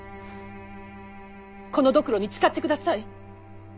このドクロに誓ってください。